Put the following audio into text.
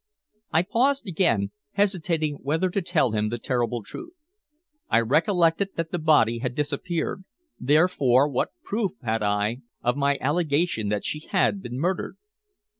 I paused again, hesitating whether to tell him the terrible truth. I recollected that the body had disappeared, therefore what proof had I of my allegation that she had been murdered?